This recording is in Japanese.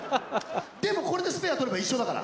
でも、これでスペア取れば一緒だから。